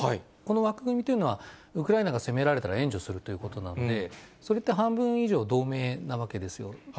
この枠組みというのは、ウクライナが攻められたら援助するということなので、それって半分以上同盟なわけですよ。